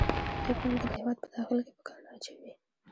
دوی پانګه د هېواد په داخل کې په کار نه اچوي